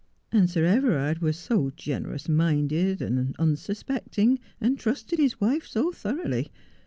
And Sir Everard was so generous minded and un suspecting, and trusted his wife so thoroughly.